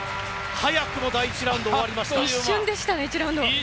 早くも第１ラウンド終わりました。